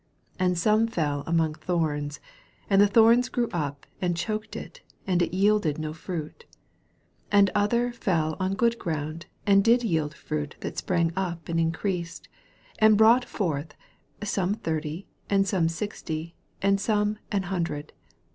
7 And some fell among thorns, and the thorns grew up, and choked it, and it yielded no fruit. 8 And other fell on good ground, and did yield fruit that sprang up and increased ; and brought forth, some thirty, and some sixty, and some an hundred.